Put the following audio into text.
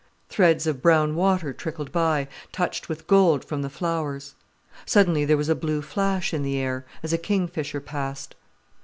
Threads of brown water trickled by, touched with gold from the flowers. Suddenly there was a blue flash in the air, as a kingfisher passed.